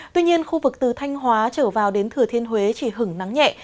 tuy nhiên khu vực từ thanh hóa trở vào đến thừa thiên huế chỉ hứng nắng nhẹ